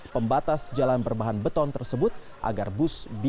pembatasan jalan berbahan beton yang ada di sisi pembangunan mrt haji nawi